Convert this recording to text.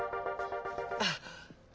あっ！